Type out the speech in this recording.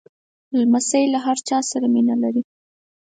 لمسی له هر چا سره مینه لري.